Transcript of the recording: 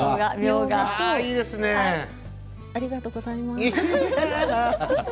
ありがとうございます。